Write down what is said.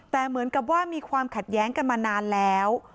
แต่เหมือนกับว่ามีความขัดแย้งกันมานานแล้ว